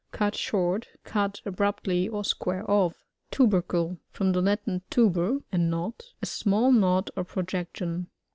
— Cut short Cut abrupt ly, or square off. Tubercle. — From the Latin, fai6er, a knot ; a small knot or projection.